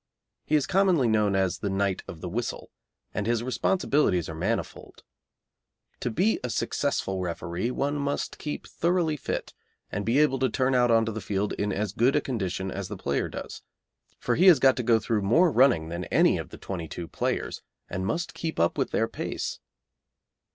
He is commonly known as the "Knight of the Whistle," and his responsibilities are manifold. To be a successful referee one must keep thoroughly fit, and be able to turn out on to the field in as good a condition as the player does, for he has got to go through more running than any of the twenty two players, and must keep up with their pace.